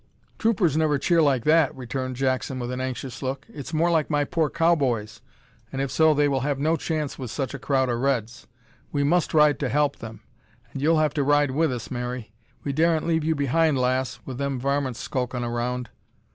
"Troopers never cheer like that," returned Jackson with an anxious look. "It's more like my poor cow boys, and, if so, they will have no chance wi' such a crowd o' Reds. We must ride to help them, an' you'll have to ride with us, Mary. We daren't leave you behind, lass, wi' them varmints skulkin' around."